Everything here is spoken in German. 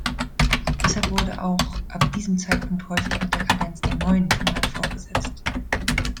Deshalb wurde auch ab diesem Zeitpunkt häufig mit der Kadenz der "neuen" Tonart fortgesetzt.